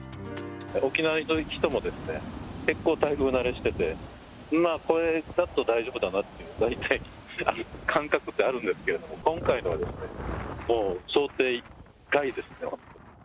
沖縄にいる人もですね、結構台風慣れしてて、これだと大丈夫だなって、大体感覚ってあるんですけど、今回のはもう想定外ですね。